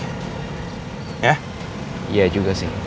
iya juga sih